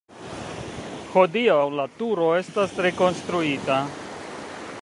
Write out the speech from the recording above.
Hodiaŭ la turo estas rekonstruita.